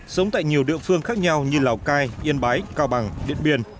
sống tại nhiều địa phương khác nhau như lào cai yên bái cao bằng điện biên